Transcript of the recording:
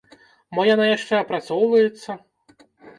Мо яна яшчэ апрацоўваецца?